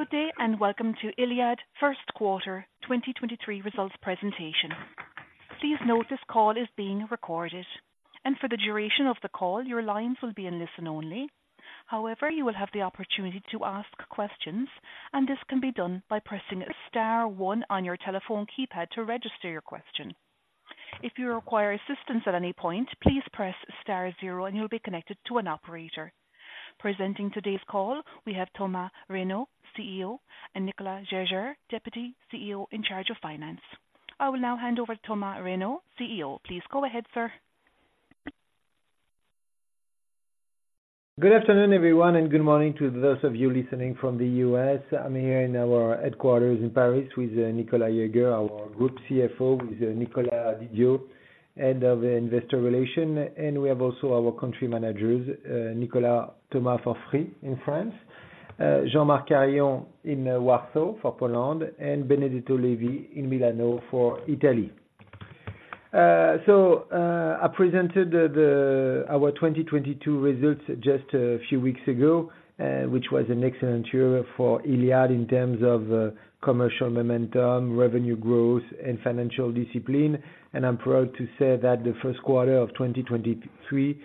Good day, welcome to iliad first quarter 2023 results presentation. Please note this call is being recorded. For the duration of the call, your lines will be in listen only. However, you will have the opportunity to ask questions, and this can be done by pressing star one on your telephone keypad to register your question. If you require assistance at any point, please press star zero and you'll be connected to an operator. Presenting today's call, we have Thomas Reynaud, CEO, and Nicolas Jaeger, Deputy CEO in charge of finance. I will now hand over Thomas Reynaud, CEO. Please go ahead, sir. Good afternoon, everyone, and good morning to those of you listening from the U.S. I'm here in our headquarters in Paris with Nicolas Jaeger, our group CFO, with Nicolas Didio, Head of Investor Relations. We have also our country managers, Nicolas Thomas from Paris in France, Jean-Marc Harion in Warsaw for Poland, and Benedetto Levi in Milano for Italy. I presented our 2022 results just a few weeks ago, which was an excellent year for iliad in terms of commercial momentum, revenue growth and financial discipline. I'm proud to say that the first quarter of 2023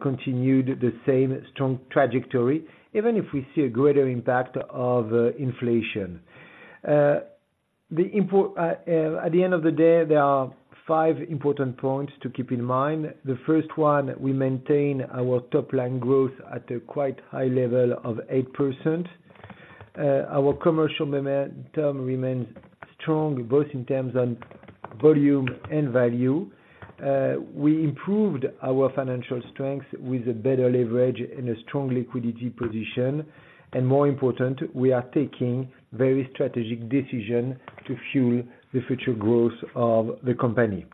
continued the same strong trajectory, if we see a greater impact of inflation. At the end of the day, there are five important points to keep in mind. The first one, we maintain our top line growth at a quite high level of 8%. Our commercial momentum remains strong, both in terms on volume and value. We improved our financial strength with a better leverage and a strong liquidity position. More important, we are taking very strategic decision to fuel the future growth of the company.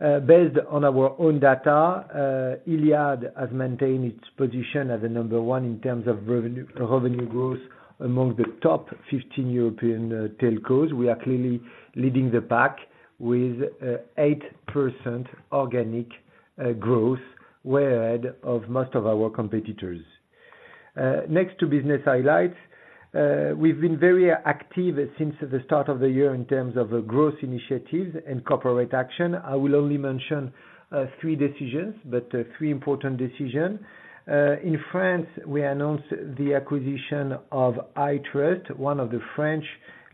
Based on our own data, iliad has maintained its position as the number one in terms of revenue growth among the top 15 European telcos. We are clearly leading the pack with 8% organic growth, way ahead of most of our competitors. Next to business highlights. We've been very active since the start of the year in terms of growth initiatives and corporate action. I will only mention three decisions, but three important decision. In France, we announced the acquisition of ITrust, one of the French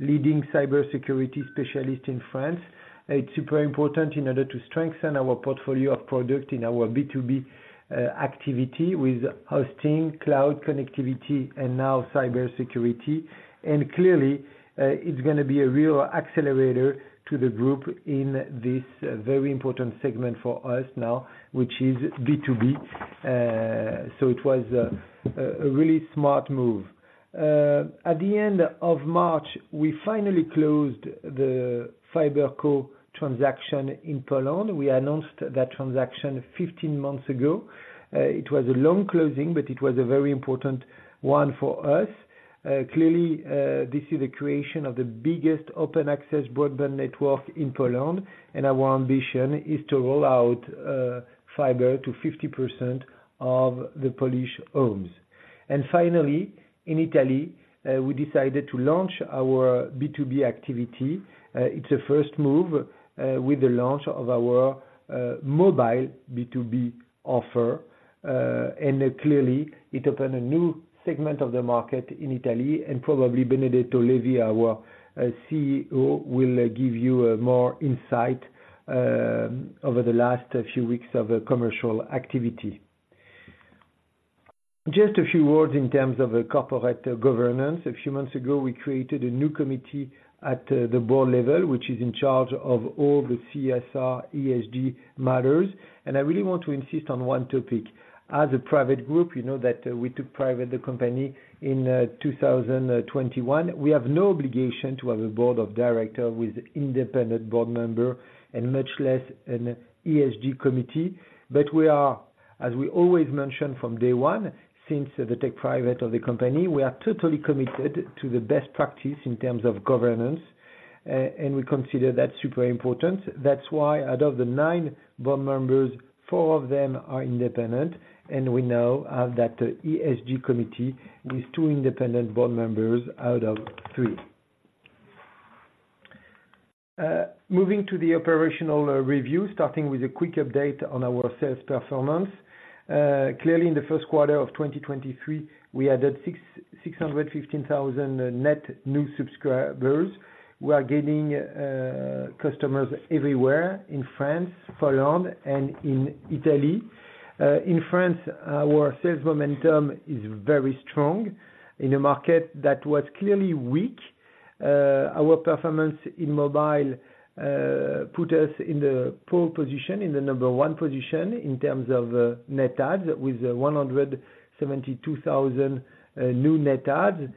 leading cybersecurity specialist in France. It's super important in order to strengthen our portfolio of product in our B2B activity with hosting, cloud connectivity and now cybersecurity. Clearly, it's gonna be a real accelerator to the group in this very important segment for us now, which is B2B. It was a really smart move. At the end of March, we finally closed the FiberCop transaction in Poland. We announced that transaction 15 months ago. It was a long closing, but it was a very important one for us. Clearly, this is the creation of the biggest open access broadband network in Poland, and our ambition is to roll out fiber to 50% of the Polish homes. Finally, in Italy, we decided to launch our B2B activity. It's a first move, with the launch of our mobile B2B offer. Clearly it opened a new segment of the market in Italy. Probably Benedetto Levi, our CEO, will give you more insight over the last few weeks of a commercial activity. Just a few words in terms of corporate governance. A few months ago, we created a new committee at the board level, which is in charge of all the CSR ESG matters. I really want to insist on one topic. As a private group, you know that we took private the company in 2021. We have no obligation to have a board of director with independent board member and much less an ESG committee. We are, as we always mention from day one, since the take private of the company, we are totally committed to the best practice in terms of governance. We consider that super important. That's why out of the nine board members, four of them are independent. We now have that ESG committee with two independent board members out of three. Moving to the operational review, starting with a quick update on our sales performance. Clearly in the first quarter of 2023, we added 615,000 net new subscribers. We are gaining customers everywhere in France, Poland and in Italy. In France, our sales momentum is very strong in a market that was clearly weak. Our performance in mobile put us in the pole position, in the number one position in terms of net adds with 172,000 new net adds.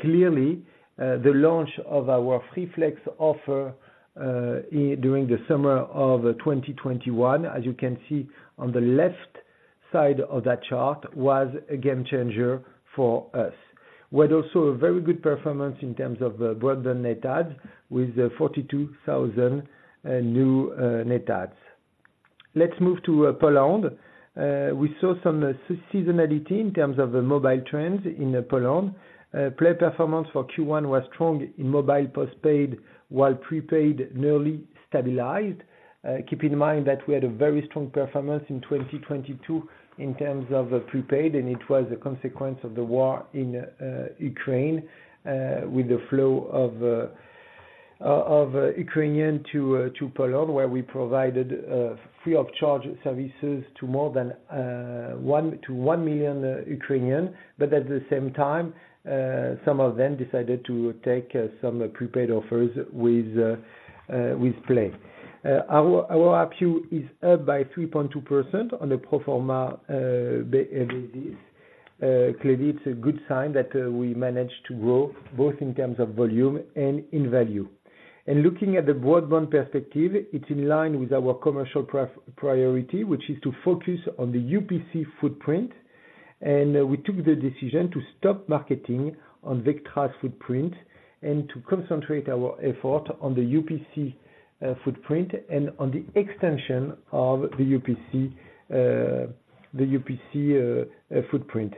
Clearly, the launch of our Free Flex offer during the summer of 2021, as you can see on the left side of that chart, was a game changer for us. We had also a very good performance in terms of the broadband net adds with 42,000 new net adds. Let's move to Poland. We saw some seasonality in terms of the mobile trends in Poland. Play performance for Q1 was strong in mobile postpaid, while prepaid nearly stabilized. Keep in mind that we had a very strong performance in 2022 in terms of prepaid. It was a consequence of the war in Ukraine, with the flow of Ukrainian to Poland, where we provided free of charge services to more than one million Ukrainian. At the same time, some of them decided to take some prepaid offers with Play. Our ARPU is up by 3.2% on the pro forma, clearly it's a good sign that we managed to grow both in terms of volume and in value. Looking at the broadband perspective, it's in line with our commercial priority, which is to focus on the UPC footprint. We took the decision to stop marketing on Vectra's footprint and to concentrate our effort on the UPC footprint and on the extension of the UPC footprint.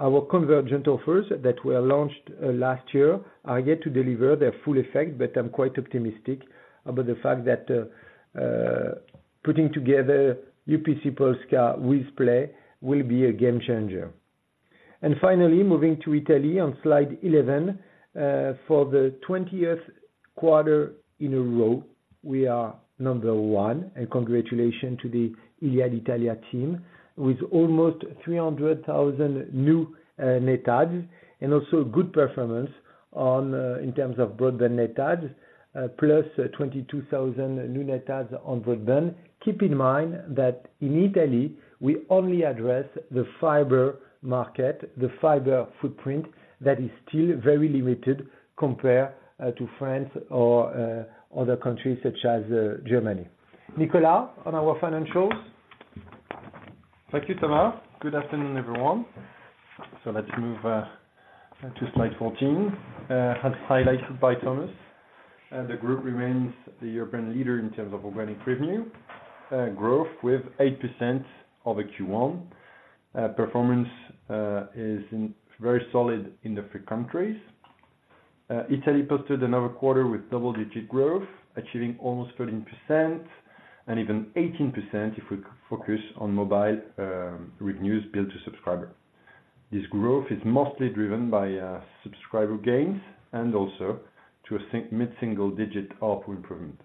Our convergent offers that were launched last year are yet to deliver their full effect, but I'm quite optimistic about the fact that putting together UPC Polska with Play will be a game changer. Finally, moving to Italy on slide 11. For the 20th quarter in a row, we are number one, and congratulations to the iliad Italia team with almost 300,000 new net adds and also good performance in terms of broadband net adds, plus 22,000 new net adds on broadband. Keep in mind that in Italy, we only address the fiber market, the fiber footprint that is still very limited compared to France or other countries such as Germany. Nicolas, on our financials. Thank you, Thomas. Good afternoon, everyone. Let's move to slide 14. As highlighted by Thomas, the group remains the European leader in terms of organic revenue growth with 8% over Q1. Performance is very solid in the three countries. Italy posted another quarter with double-digit growth, achieving almost 13% and even 18% if we focus on mobile revenues bill to subscriber. This growth is mostly driven by subscriber gains and also to a mid-single digit ARPU improvement.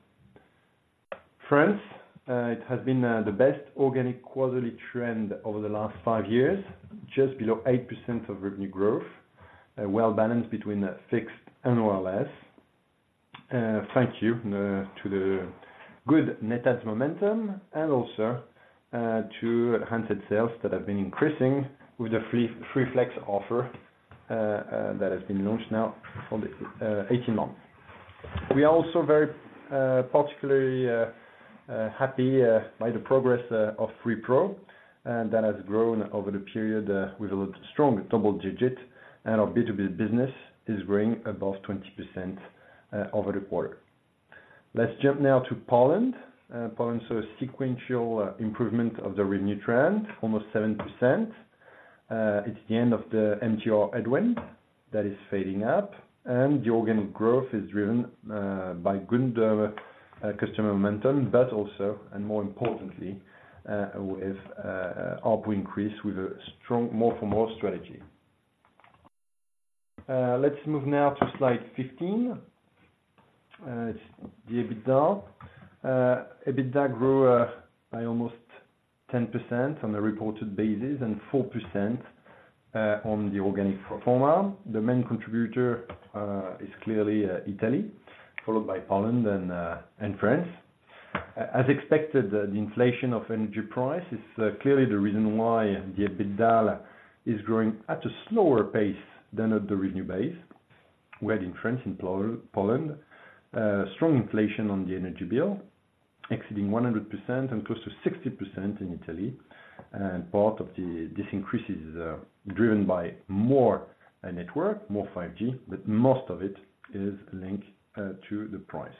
France, it has been the best organic quarterly trend over the last five years, just below 8% of revenue growth, well balanced between fixed and OLS. Thank you to the good net adds momentum and also to handset sales that have been increasing with the Free Flex offer that has been launched now for the 18 months. We are also very particularly happy by the progress of Free Pro that has grown over the period with a lot strong double digit, and our B2B business is growing above 20% over the quarter. Let's jump now to Poland. Poland saw a sequential improvement of the revenue trend, almost 7%. It's the end of the MTR headwind that is fading up, and the organic growth is driven by good customer momentum, but also and more importantly, with ARPU increase with a strong more for more strategy. Let's move now to slide 15. It's the EBITDA. EBITDA grew by almost 10% on a reported basis and 4% on the organic pro forma. The main contributor is clearly Italy, followed by Poland and France. As expected, the inflation of energy price is clearly the reason why the EBITDA is growing at a slower pace than at the revenue base. We had in France, in Poland, strong inflation on the energy bill exceeding 100% and close to 60% in Italy. Part of this increase is driven by more network, more 5G, but most of it is linked to the price.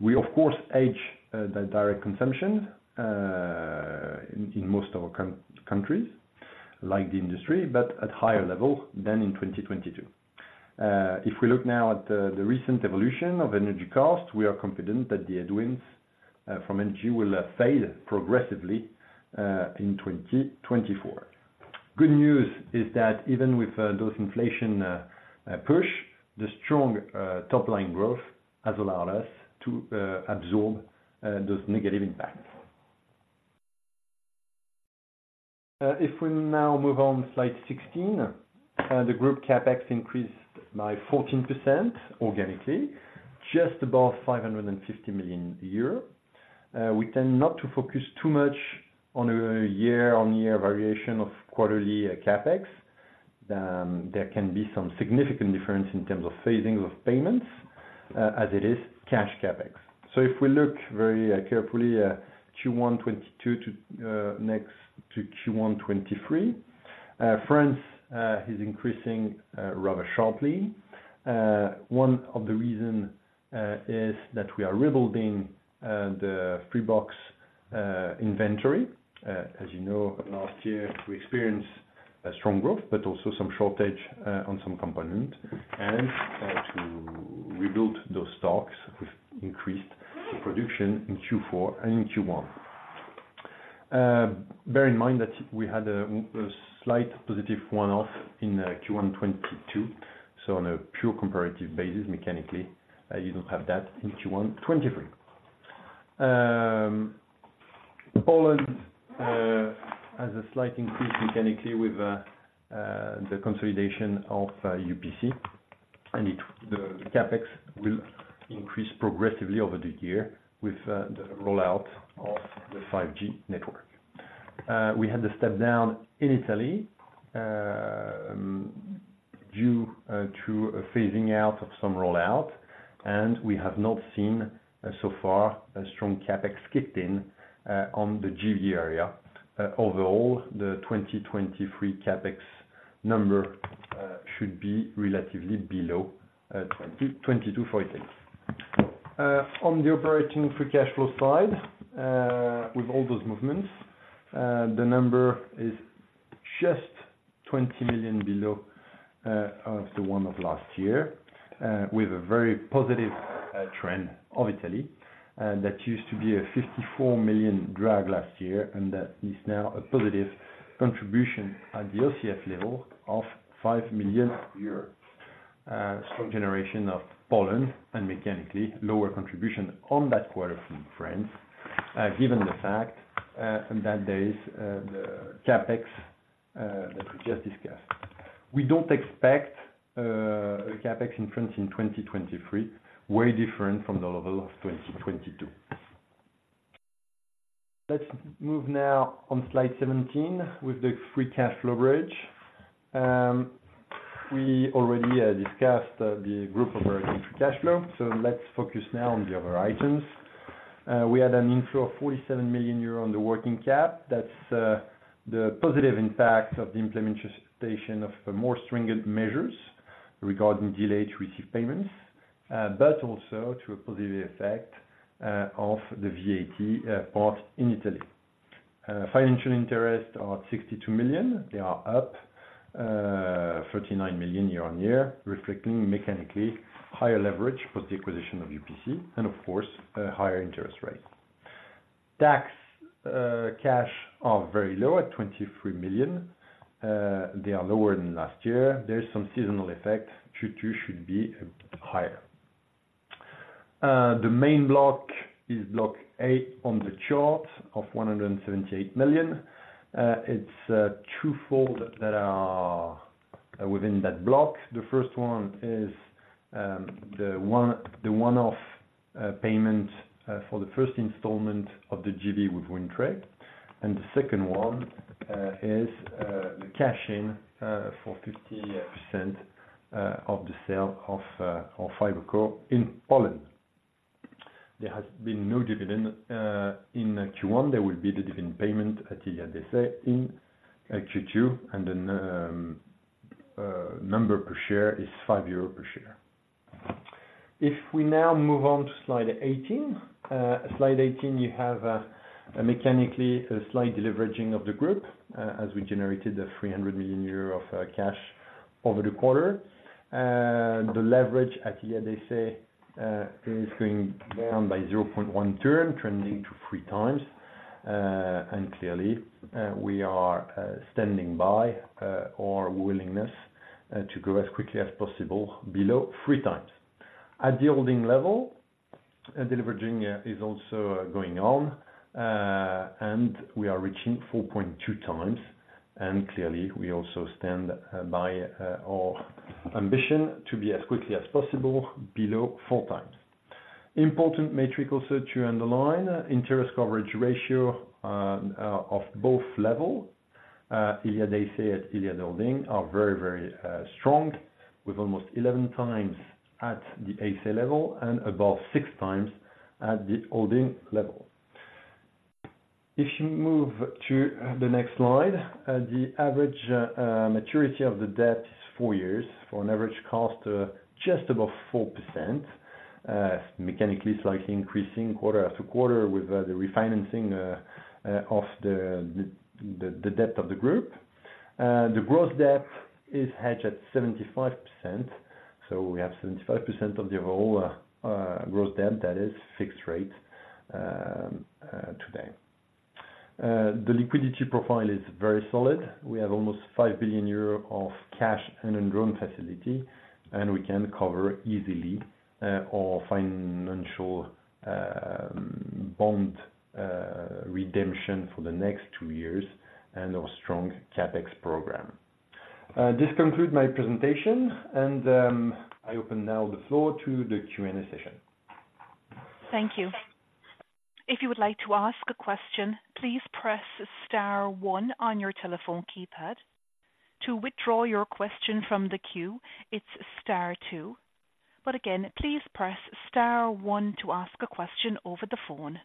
We of course hedge the direct consumption in most of our countries, like the industry, but at higher level than in 2022. If we look now at the recent evolution of energy cost, we are confident that the headwinds from energy will fade progressively in 2024. Good news is that even with those inflation push, the strong top line growth has allowed us to absorb those negative impacts. If we now move on slide 16, the group CapEx increased by 14% organically, just above 550 million euro. We tend not to focus too much on a year-on-year variation of quarterly CapEx. There can be some significant difference in terms of phasing of payments, as it is cash CapEx. If we look very carefully, Q1 2022 to next to Q1 2023. France is increasing rather sharply. One of the reason is that we are rebuilding the Freebox inventory. As you know, last year we experienced a strong growth but also some shortage on some component. To rebuild those stocks, we've increased the production in Q4 and in Q1. Bear in mind that we had a slight positive one-off in Q1 2022. On a pure comparative basis, mechanically, you don't have that in Q1 2023. Poland has a slight increase mechanically with the consolidation of UPC, the CapEx will increase progressively over the year with the rollout of the 5G network. We had to step down in Italy, due to a phasing out of some rollout, and we have not seen so far a strong CapEx kick in on the JV area. Overall, the 2023 CapEx number should be relatively below 2022 for Italy. On the operating free cash flow side, with all those movements, the number is just 20 million below of the one of last year, with a very positive trend of Italy, that used to be a 54 million drag last year, and that is now a positive contribution at the OCF level of 5 million euros. Strong generation of Poland and mechanically lower contribution on that quarter from France, given the fact that there is the CapEx that we just discussed. We don't expect a CapEx in France in 2023, way different from the level of 2022. Let's move now on slide 17 with the free cash flow bridge. We already discussed the group operating free cash flow. Let's focus now on the other items. We had an inflow of 47 million euros on the working cap. That's the positive impact of the implementation of more stringent measures regarding delayed received payments, also to a positive effect of the VAT part in Italy. Financial interest are 62 million. They are up 39 million year-on-year, reflecting mechanically higher leverage post the acquisition of UPC and of course, a higher interest rate. Tax cash are very low at 23 million. They are lower than last year. There's some seasonal effect. Q2 should be higher. The main block is Block A on the chart of 178 million. It's twofold that are within that block. The first one is the one-off payment for the first installment of the JV with WindTre. The second one is the cash-in for 50% of the sale of FiberCop in Poland. There has been no dividend in Q1. There will be dividend payment at iliad SA in Q2, and the number per share is 5 euro per share. If we now move on to slide 18. Slide 18, you have a mechanically, a slight deleveraging of the group, as we generated 300 million euro of cash over the quarter. The leverage at iliad SA is going down by 0.1 turn, trending to 3x. Clearly, we are standing by our willingness to go as quickly as possible below 3x. At the holding level, deleveraging is also going on, we are reaching 4.2x. Clearly, we also stand by our ambition to be as quickly as possible below 4x. Important metric also to underline, interest coverage ratio of both level, iliad SA and iliad Holding are very, very strong with almost 11x at the SA level and above 6x at the holding level. If you move to the next slide, the average maturity of the debt is four years for an average cost just above 4%. Mechanically, it's likely increasing quarter after quarter with the refinancing of the debt of the group. The gross debt is hedged at 75%, we have 75% of the overall gross debt that is fixed rate today. The liquidity profile is very solid. We have almost 5 billion euros of cash and undrawn facility, we can cover easily our financial bond redemption for the next two years and our strong CapEx program. This conclude my presentation, I open now the floor to the Q&A session. Thank you. If you would like to ask a question, please press star one on your telephone keypad. To withdraw your question from the queue, it's star two. Again, please press star one to ask a question over the phone.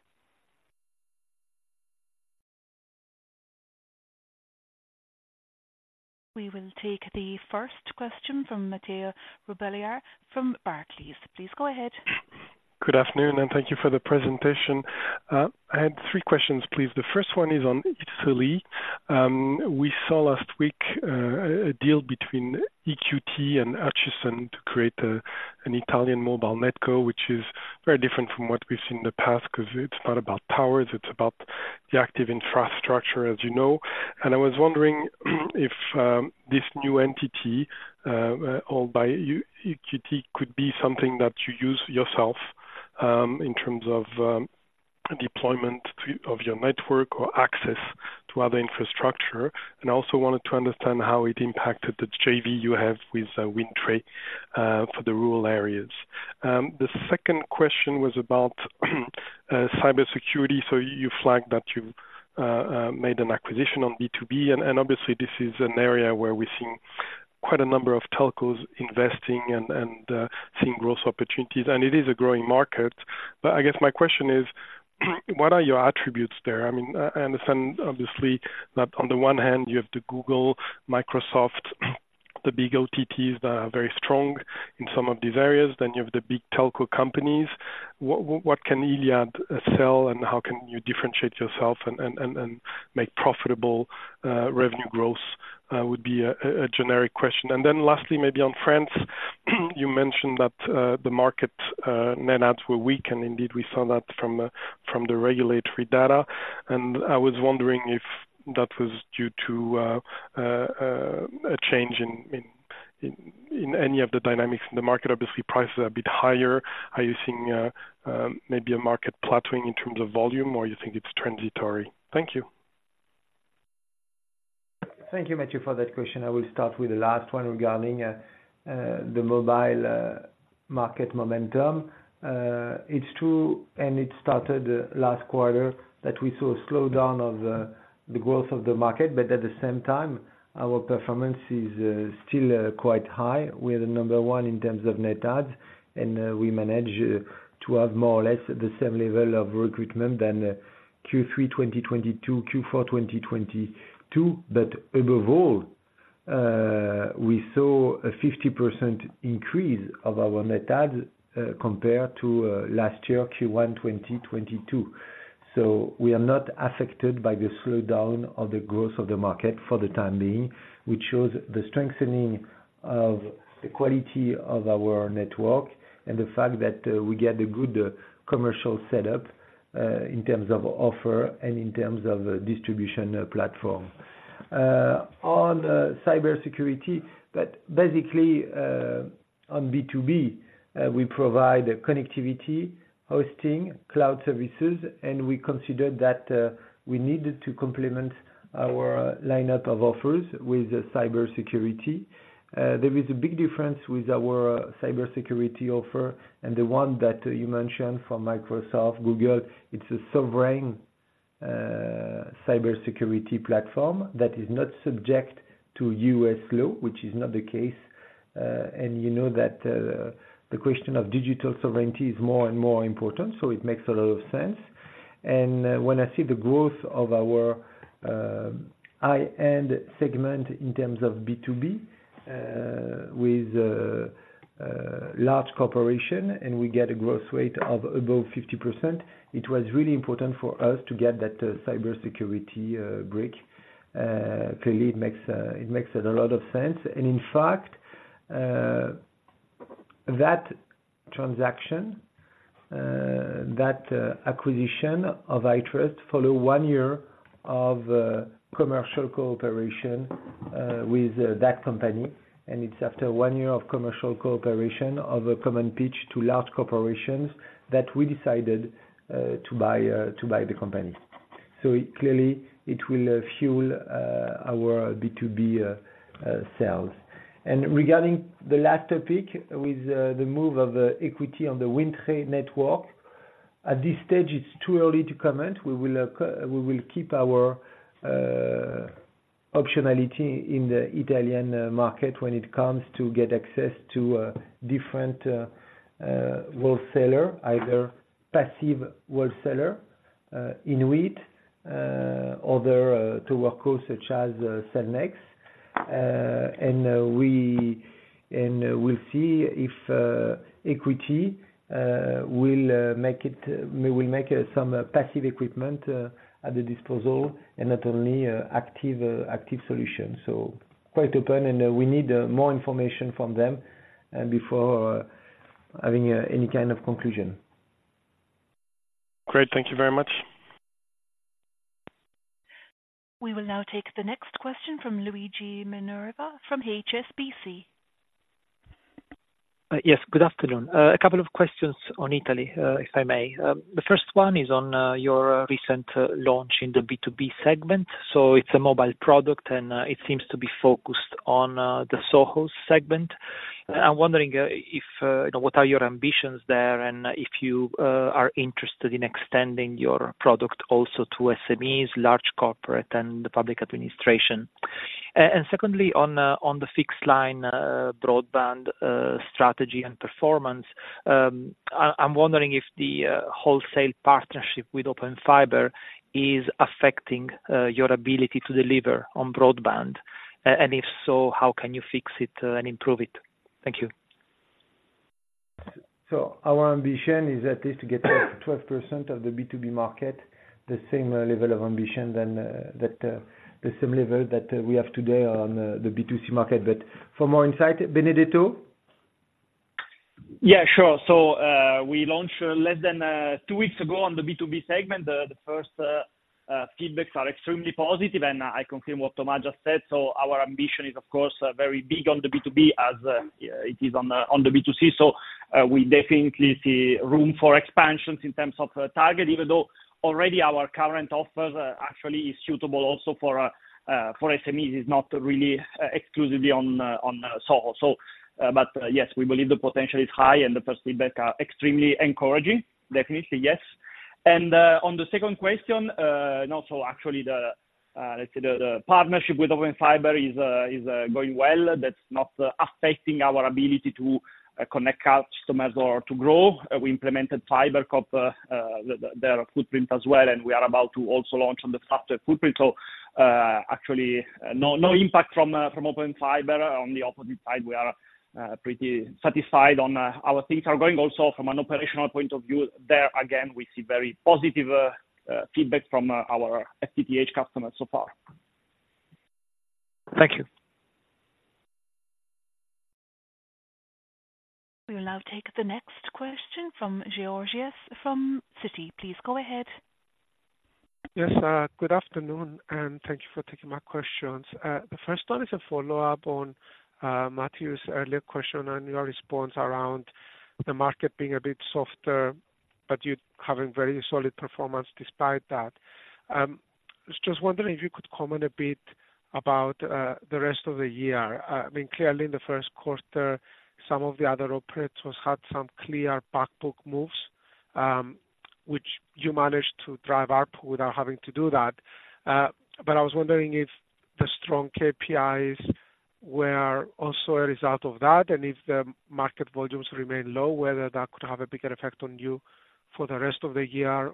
We will take the first question from Mathieu Robilliard from Barclays. Please go ahead. Good afternoon. Thank you for the presentation. I had three questions, please. The first one is on Italy. We saw last week, a deal between EQT and CK Hutchison to create an Italian mobile NetCo, which is very different from what we've seen in the past 'cause it's not about towers, it's about the active infrastructure, as you know. I was wondering if this new entity, all by EQT could be something that you use yourself, in terms of deployment of your network or access to other infrastructure. I also wanted to understand how it impacted the JV you have with WindTre, for the rural areas. The second question was about cybersecurity. You flagged that you made an acquisition on B2B, and obviously this is an area where we're seeing quite a number of telcos investing and seeing growth opportunities, and it is a growing market. I guess my question is, what are your attributes there? I mean, I understand obviously that on the one hand, you have the Google, Microsoft, the big OTPs that are very strong in some of these areas, then you have the big telco companies. What can iliad sell and how can you differentiate yourself and make profitable revenue growth would be a generic question. Then lastly, maybe on France, you mentioned that the market net adds were weak, and indeed we saw that from the regulatory data. I was wondering if that was due to a change in any of the dynamics in the market. Obviously, prices are a bit higher. Are you seeing maybe a market plateauing in terms of volume, or you think it's transitory? Thank you. Thank you, Matteo, for that question. I will start with the last one regarding the mobile market momentum. It's true, and it started last quarter, that we saw a slowdown of the growth of the market. At the same time, our performance is still quite high. We are the number one in terms of net adds, and we manage to have more or less the same level of recruitment than Q3 2022, Q4 2022. Above all, we saw a 50% increase of our net add compared to last year, Q1 2022. We are not affected by the slowdown of the growth of the market for the time being, which shows the strengthening of the quality of our network and the fact that we get a good commercial setup in terms of offer and in terms of distribution platform. On cybersecurity, but basically on B2B, we provide connectivity, hosting, cloud services, and we consider that we need to complement our lineup of offers with cybersecurity. There is a big difference with our cybersecurity offer and the one that you mentioned from Microsoft, Google. It's a sovereign cybersecurity platform that is not subject to U.S. law, which is not the case. And you know that the question of digital sovereignty is more and more important, so it makes a lot of sense. When I see the growth of our high-end segment in terms of B2B, with large corporation, and we get a growth rate of above 50%, it was really important for us to get that cybersecurity break. Clearly it makes a lot of sense. In fact, that transaction, that acquisition of ITrust follow one year of commercial cooperation with that company. It's after one year of commercial cooperation of a common pitch to large corporations that we decided to buy the company. Clearly it will fuel our B2B sales. Regarding the last topic with the move of equity on the WindTre network, at this stage, it's too early to comment. We will keep our optionality in the Italian market when it comes to get access to a different wholesaler, either passive wholesaler, INWIT, other teleco such as Cellnex. We'll see if EQT will make some passive equipment at the disposal and not only active solutions. Quite open and we need more information from them before having any kind of conclusion. Great. Thank you very much. We will now take the next question from Luigi Minerva from HSBC. Yes, good afternoon. A couple of questions on Italy, if I may. The first one is on your recent launch in the B2B segment. It's a mobile product, and it seems to be focused on the SOHO segment. I'm wondering if what are your ambitions there, and if you are interested in extending your product also to SMEs, large corporate and the public administration. Secondly, on the fixed line, broadband, strategy and performance. I'm wondering if the wholesale partnership with Open Fiber is affecting your ability to deliver on broadband. If so, how can you fix it, and improve it? Thank you. Our ambition is at least to get 12% of the B2B market, the same level that we have today on the B2C market. For more insight, Benedetto. Yeah, sure. We launched less than two weeks ago on the B2B segment. The first feedbacks are extremely positive, and I confirm what Thomas just said. Our ambition is of course, very big on the B2B as it is on the B2C. We definitely see room for expansions in terms of target, even though already our current offer actually is suitable also for SMEs, it's not really exclusively on sole. Yes, we believe the potential is high and the first feedbacks are extremely encouraging. Definitely, yes. On the second question, and also actually the partnership with Open Fiber is going well. That's not affecting our ability to connect our customers or to grow. We implemented FiberCop, their footprint as well, and we are about to also launch on the software footprint. Actually, no impact from Open Fiber. On the opposite side, we are pretty satisfied on how our things are going. Also from an operational point of view, there again, we see very positive feedback from our FTTH customers so far. Thank you. We'll now take the next question from Georgios from Citi. Please go ahead. Yes, good afternoon, thank you for taking my questions. The first one is a follow-up on Mathieu's earlier question on your response around the market being a bit softer, but you're having very solid performance despite that. I was just wondering if you could comment a bit about the rest of the year. I mean, clearly in the first quarter, some of the other operators had some clear back book moves, which you managed to drive up without having to do that. I was wondering if the strong KPIs were also a result of that, and if the market volumes remain low, whether that could have a bigger effect on you for the rest of the year.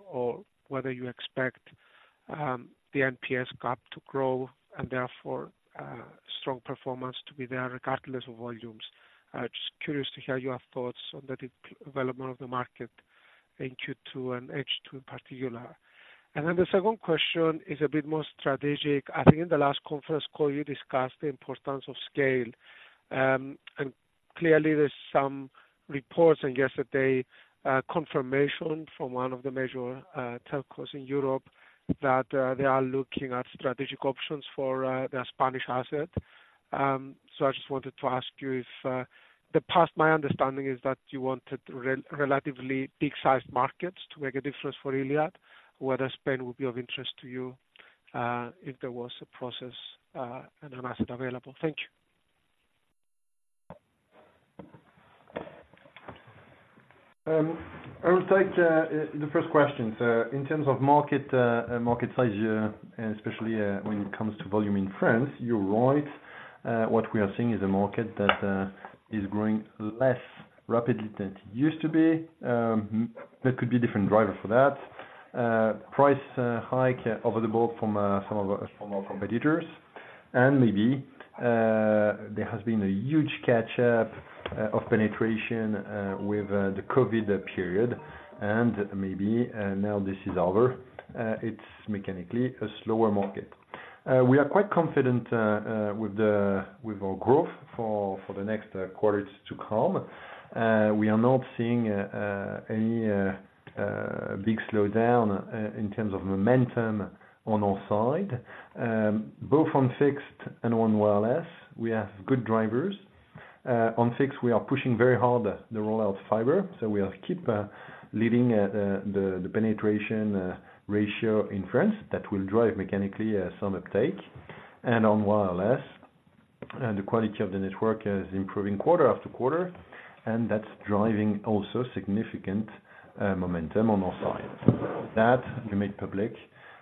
Whether you expect the NPS gap to grow and therefore, strong performance to be there regardless of volumes. I'm just curious to hear your thoughts on the development of the market in Q2 and H2 in particular. The second question is a bit more strategic. I think in the last conference call you discussed the importance of scale. Clearly there's some reports and yesterday confirmation from one of the major telcos in Europe that they are looking at strategic options for their Spanish asset. I just wanted to ask you if the past, my understanding is that you wanted relatively big sized markets to make a difference for iliad, whether Spain would be of interest to you if there was a process and an asset available. Thank you. I will take the first question. In terms of market size, especially when it comes to volume in France, you're right. What we are seeing is a market that is growing less rapidly than it used to be. There could be different driver for that. Price hike over the board from our competitors. Maybe there has been a huge catch up of penetration with the COVID period, and maybe now this is over. It's mechanically a slower market. We are quite confident with our growth for the next quarters to come. We are not seeing any big slowdown in terms of momentum on our side. Both on fixed and on wireless, we have good drivers. On fixed, we are pushing very hard the rollout fiber. We are keep leading at the penetration ratio in France. That will drive mechanically some uptake. On wireless, the quality of the network is improving quarter after quarter, and that's driving also significant momentum on our side. We made public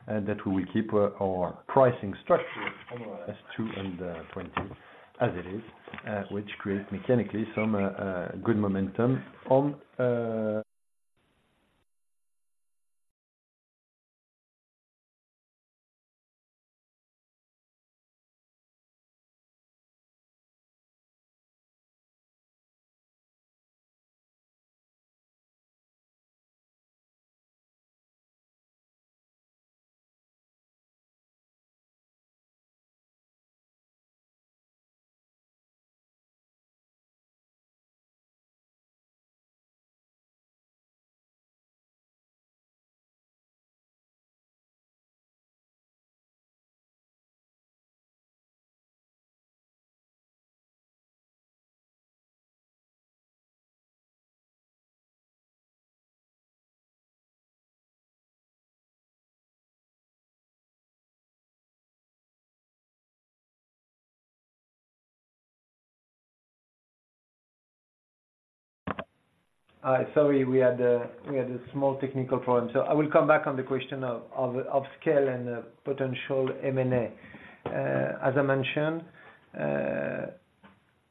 that we will keep our pricing structure on S2 and 20 as it is, which creates mechanically some good momentum on. Sorry, we had a small technical problem. I will come back on the question of scale and potential M&A. As I mentioned,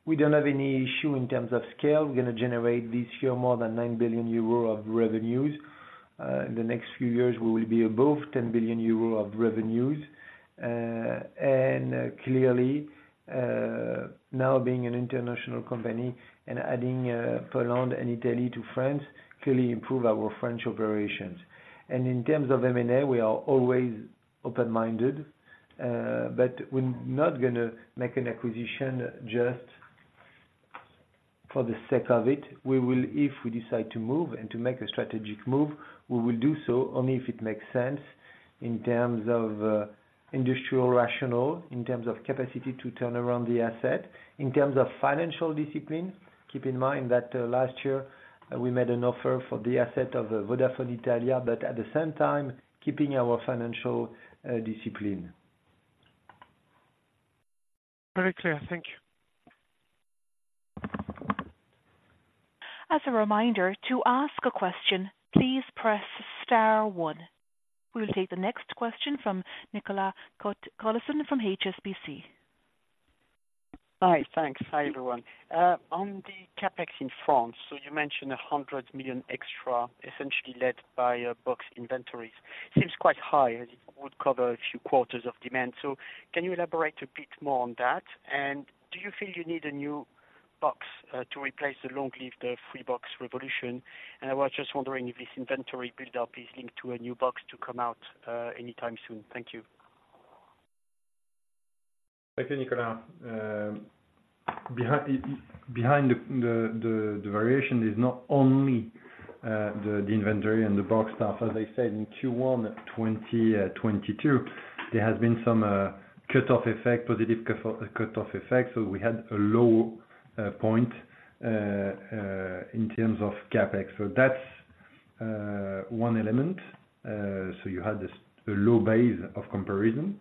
we don't have any issue in terms of scale. We're gonna generate this year more than 9 billion euro of revenues. In the next few years, we will be above 10 billion euro of revenues. Clearly, now being an international company and adding Poland and Italy to France clearly improve our French operations. In terms of M&A, we are always open-minded, but we're not gonna make an acquisition just for the sake of it. If we decide to move and to make a strategic move, we will do so only if it makes sense in terms of industrial rationale, in terms of capacity to turn around the asset, in terms of financial discipline. Keep in mind that last year we made an offer for the asset of Vodafone Italia, but at the same time, keeping our financial discipline. Very clear. Thank you. As a reminder, to ask a question, please press star one. We'll take the next question from Nicolas Cote-Colisson from HSBC. Hi. Thanks. Hi, everyone. On the CapEx in France, you mentioned 100 million extra essentially led by box inventories. Seems quite high as it would cover a few quarters of demand. Can you elaborate a bit more on that? Do you feel you need a new box to replace the long-lived Freebox Revolution? I was just wondering if this inventory build-up is linked to a new box to come out anytime soon. Thank you. Thank you, Nicolas. Behind the variation is not only the inventory and the box stuff. As I said in Q1 2022, there has been some cut-off effect, positive cut-off effect. We had a low point in terms of CapEx. That's one element. You had this, a low base of comparison.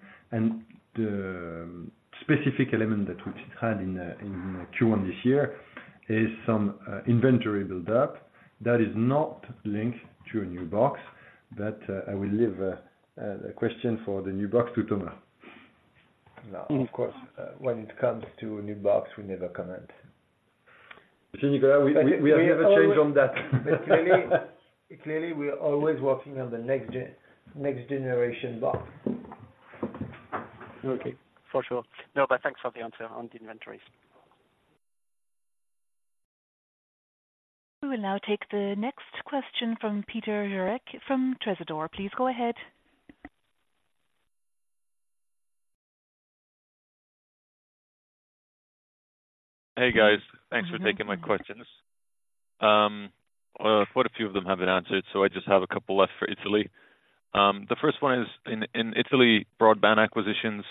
The specific element that we've had in Q1 this year is some inventory build-up that is not linked to a new box. I will leave the question for the new box to Thomas. No, of course, when it comes to new box, we never comment. Nicolas, we have a change on that. Clearly we are always working on the next generation box. Okay. For sure. No, thanks for the answer on the inventories. We will now take the next question from Peter Jurik from Tresidor. Please go ahead. Hey, guys. Thanks for taking my questions. Quite a few of them have been answered, so I just have a couple left for Italy. The first one is in Italy broadband acquisitions.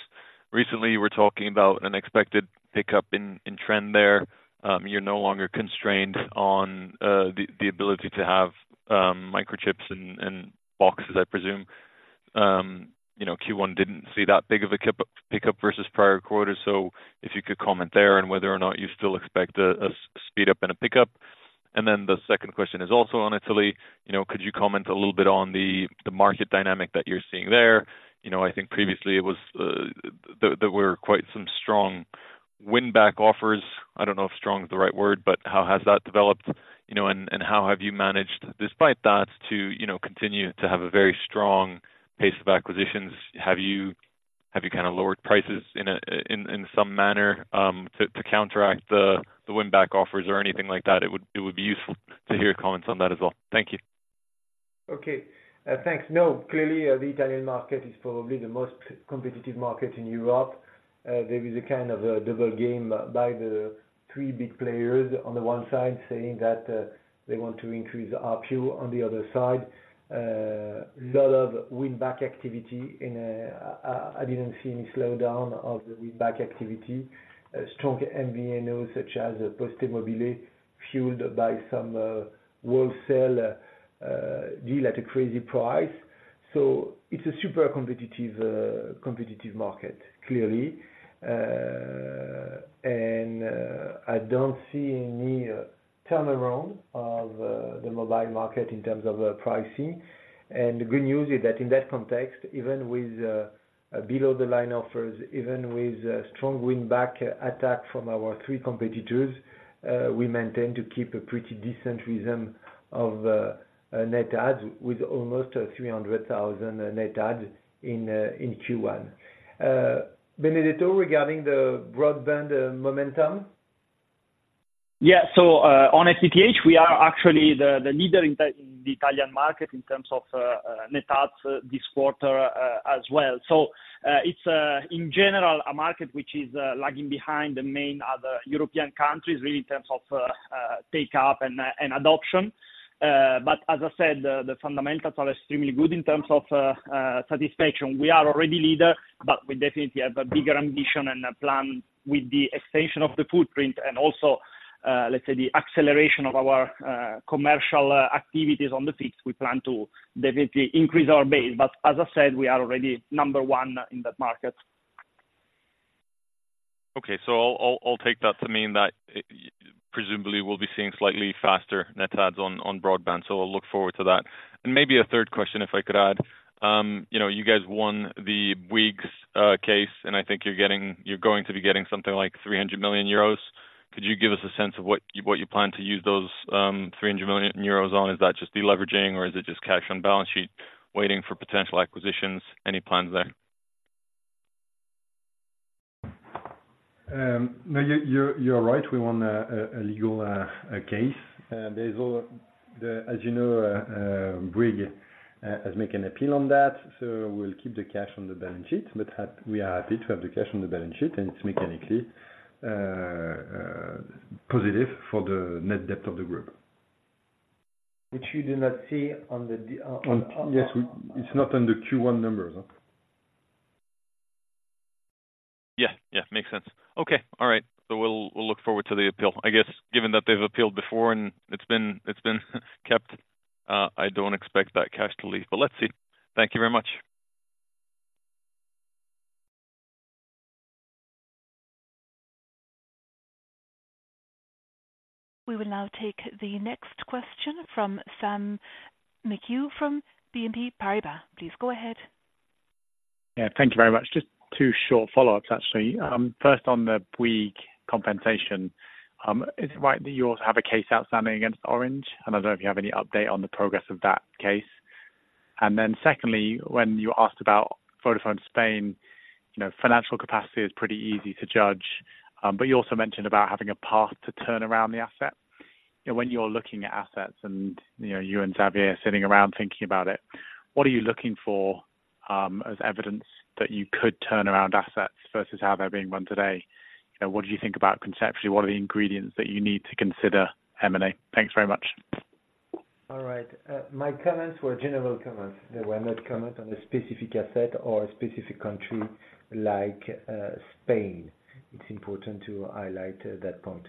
Recently you were talking about an expected pickup in trend there. You're no longer constrained on the ability to have microchips and boxes, I presume. You know, Q1 didn't see that big of a pickup versus prior quarters. If you could comment there on whether or not you still expect a speed up and a pickup. The second question is also on Italy. You know, could you comment a little bit on the market dynamic that you're seeing there? You know, I think previously it was there were quite some strong win back offers. I don't know if strong is the right word, but how has that developed, you know, and how have you managed despite that to, you know, continue to have a very strong pace of acquisitions? Have you kind of lowered prices in some manner, to counteract the win back offers or anything like that? It would be useful to hear comments on that as well. Thank you. Okay. Thanks. Clearly, the Italian market is probably the most competitive market in Europe. There is a kind of a double game by the three big players on the one side saying that, they want to increase ARPU on the other side. A lot of win back activity in, I didn't see any slowdown of the win back activity. A strong MVNO such as PosteMobile fueled by some wholesale deal at a crazy price. It's a super competitive competitive market clearly. I don't see any turnaround of the mobile market in terms of pricing. The good news is that in that context, even with below the line offers, even with a strong win back attack from our three competitors, we maintain to keep a pretty decent rhythm of net adds with almost 300,000 net adds in Q1. Benedetto, regarding the broadband momentum. Yeah. On FTTH, we are actually the leader in the, in the Italian market in terms of, net adds this quarter, as well. It's, in general a market which is, lagging behind the main other European countries really in terms of, take-up and adoption. As I said, the fundamentals are extremely good in terms of, satisfaction. We are already leader, but we definitely have a bigger ambition and a plan with the extension of the footprint and also, let's say the acceleration of our, commercial, activities on the fixed. We plan to definitely increase our base. As I said, we are already number one in that market. I'll take that to mean that presumably we'll be seeing slightly faster net adds on broadband. I'll look forward to that. Maybe a third question, if I could add. You know, you guys won the Bouygues case, and I think you're going to be getting something like 300 million euros. Could you give us a sense of what you plan to use those 300 million euros on? Is that just deleveraging or is it just cash on balance sheet waiting for potential acquisitions? Any plans there? No, you're right. We won a legal, a case. There's as you know, Bouygues has make an appeal on that. We'll keep the cash on the balance sheet. We are happy to have the cash on the balance sheet, and it's mechanically positive for the net debt of the group. Which you do not see on the... Yes, it's not on the Q1 numbers, huh? Yeah. Yeah. Makes sense. Okay. All right. We'll look forward to the appeal. I guess, given that they've appealed before and it's been kept, I don't expect that cash to leave, but let's see. Thank you very much. We will now take the next question from Sam McHugh from BNP Paribas. Please go ahead. Yeah. Thank you very much. Just two short follow-ups, actually. First on the Bouygues compensation, is it right that you also have a case outstanding against Orange? I don't know if you have any update on the progress of that case. Secondly, when you asked about Vodafone Spain, you know, financial capacity is pretty easy to judge, but you also mentioned about having a path to turn around the asset. You know, when you're looking at assets and, you know, you and Xavier are sitting around thinking about it, what are you looking for, as evidence that you could turn around assets versus how they're being run today? You know, what do you think about conceptually? What are the ingredients that you need to consider M&A? Thanks very much. All right. My comments were general comments. They were not comment on a specific asset or a specific country like Spain. It's important to highlight that point.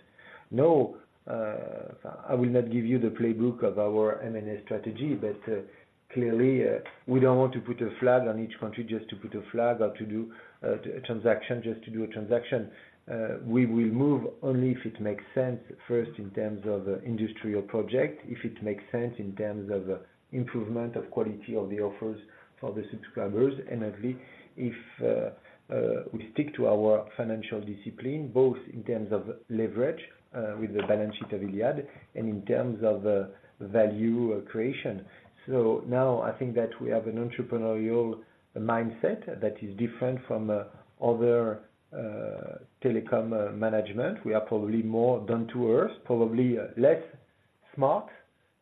No, I will not give you the playbook of our M&A strategy, but clearly, we don't want to put a flag on each country just to put a flag or to do a transaction, just to do a transaction. We will move only if it makes sense, first in terms of industrial project, if it makes sense in terms of improvement of quality of the offers for the subscribers, and obviously if we stick to our financial discipline, both in terms of leverage, with the balance sheet of iliad and in terms of value creation. Now I think that we have an entrepreneurial mindset that is different from other telecom management. We are probably more down to earth, probably less smart,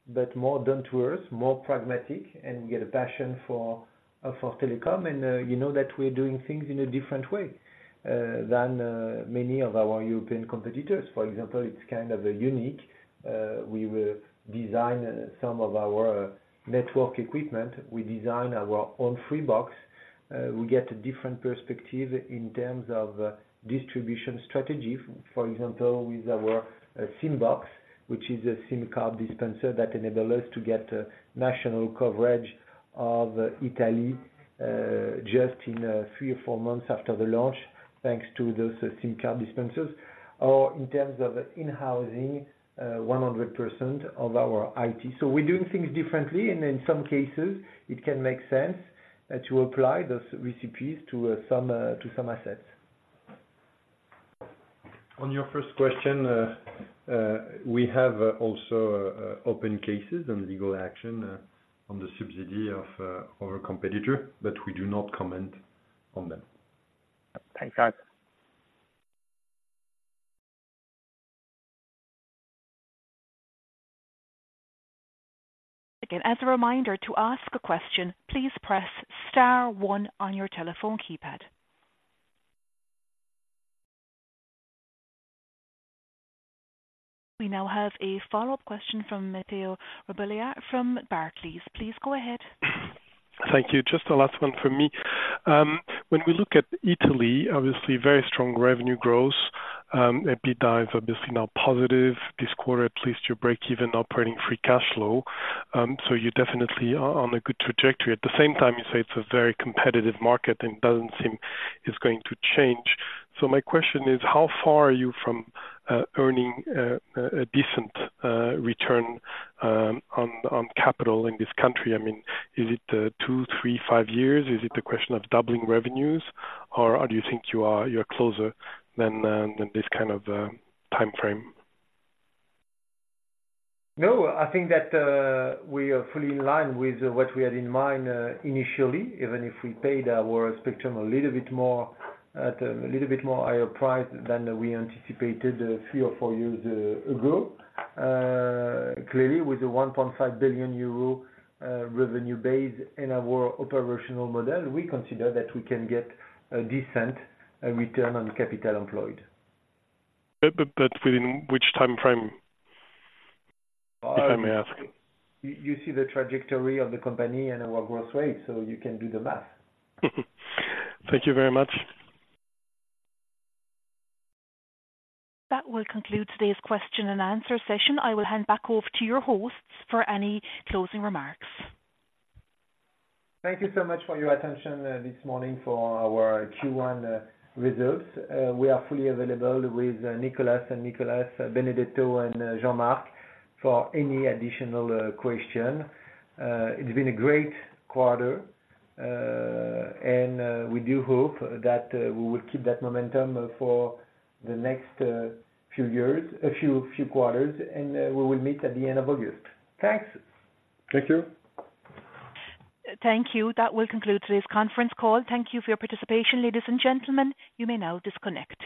but more down to earth, more pragmatic, and get a passion for telecom. You know that we're doing things in a different way than many of our European competitors. For example, it's kind of a unique, we will design some of our network equipment. We design our own Freebox. We get a different perspective in terms of distribution strategy. For example, with our Simbox, which is a SIM card dispenser that enable us to get national coverage of Italy, just in three or four months after the launch, thanks to those SIM card dispensers, or in terms of in-housing 100% of our IT. We're doing things differently, and in some cases it can make sense to apply those recipes to some to some assets. On your first question, we have also open cases and legal action on the subsidy of our competitor, but we do not comment on them. Thanks, guys. Again, as a reminder, to ask a question, please press star one on your telephone keypad. We now have a follow-up question from Mathieu Robilliard from Barclays. Please go ahead. Thank you. Just the last one from me. When we look at Italy, obviously very strong revenue growth. EBITDA is obviously now positive this quarter, at least your breakeven operating free cash flow. You're definitely on a good trajectory. At the same time, you say it's a very competitive market and doesn't seem it's going to change. My question is: How far are you from earning a decent return on capital in this country? I mean, is it two, three, five years? Is it a question of doubling revenues, or do you think you're closer than this kind of timeframe? No, I think that, we are fully in line with what we had in mind, initially, even if we paid our spectrum at a little bit more higher price than we anticipated three or four years ago. Clearly, with the 1.5 billion euro revenue base in our operational model, we consider that we can get a decent return on capital employed. Within which timeframe, if I may ask? You see the trajectory of the company and our growth rate, so you can do the math. Thank you very much. That will conclude today's question and answer session. I will hand back over to your hosts for any closing remarks. Thank you so much for your attention, this morning for our Q1 results. We are fully available with Nicolas, Benedetto and Jean-Marc for any additional question. It's been a great quarter, and we do hope that we will keep that momentum for the next few years, a few quarters, and we will meet at the end of August. Thanks. Thank you. Thank you. That will conclude today's conference call. Thank you for your participation, ladies and gentlemen. You may now disconnect.